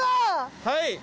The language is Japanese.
はい！